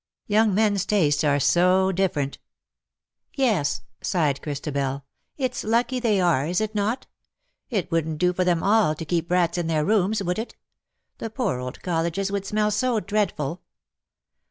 " Young men's tastes are so different.'' " Yes," sighed Christabel, " it's lucky they are, is it not? It wouldn't do for them all to keep rats in their rooms, would it ? The poor old THE DAYS THAT ARE NO MORE. 11 colleges would smell so dreadful.